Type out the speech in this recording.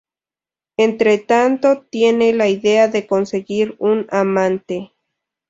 Entretanto tiene la idea de conseguir un amante.